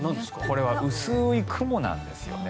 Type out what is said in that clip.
これは薄い雲なんですよね。